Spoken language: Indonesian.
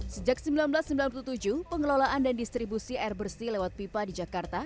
sejak seribu sembilan ratus sembilan puluh tujuh pengelolaan dan distribusi air bersih lewat pipa di jakarta